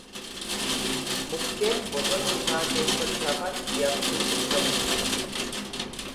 Mukkeen bosona isaa keessatti hafan yartuu in ta'u.